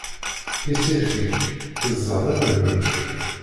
Tissirt-ik teẓẓad amegruc.